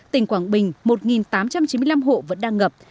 tỉnh quảng bình một tám trăm chín mươi năm hộ vẫn đang ngập